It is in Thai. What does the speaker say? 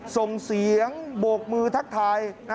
ส่งเสียงโบกมือทักทาย